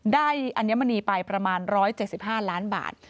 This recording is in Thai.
อัญมณีไปประมาณ๑๗๕ล้านบาท